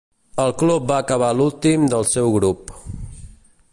El club va acabar l'últim del seu grup.